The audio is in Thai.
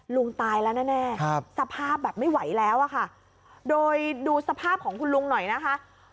ลุงตายแล้วแน่สภาพแบบไม่ไหวแล้วอะค่ะโดยดูสภาพของคุณลุงหน่อยนะคะ